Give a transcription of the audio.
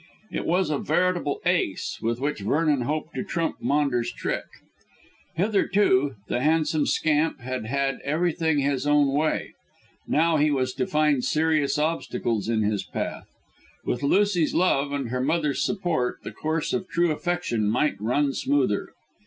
It was a veritable ace, with which Vernon hoped to trump Maunders' trick. Hitherto the handsome scamp had had everything his own way. Now he was to find serious obstacles in his path. With Lucy's love and her mother's support, the course of true affection might run smoother.